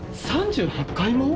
３８階も？